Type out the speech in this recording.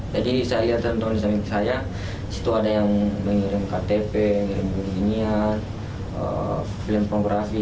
jadi saya lihat teman teman disaming saya disitu ada yang mengirim ktp mengirim buku dinian film pornografi